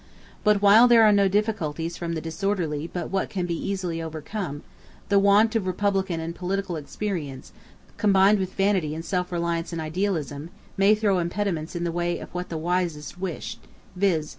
... "But while there are no difficulties from the disorderly but what can easily be overcome, the want of republican and political experience, combined with vanity and self reliance and idealism, may throw impediments in the way of what the wisest wish, _viz.